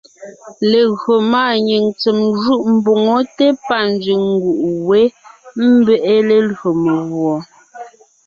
Legÿo máanyìŋ ntsèm jûʼ mboŋó té pâ nzẅìŋ nguʼ wé, ḿbe’e lelÿò meguɔ.